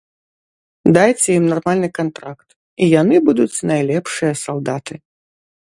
Дайце ім нармальны кантракт, і яны будуць найлепшыя салдаты.